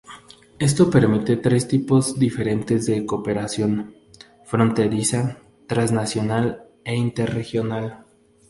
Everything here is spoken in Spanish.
Esto permite tres tipos diferentes de cooperación: fronteriza, transnacional e interregional.